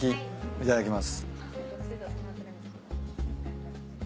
いただきます。